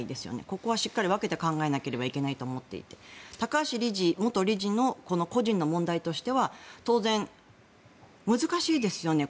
ここはしっかり分けて考えなければいけないと思っていて高橋元理事の個人の問題としては当然、難しいですよね。